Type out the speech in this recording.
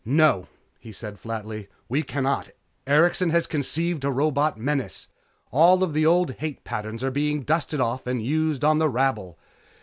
"No," he said flatly, "We cannot. Erikson has conceived a robot menace. All the old hate patterns are being dusted off and used on the rabble.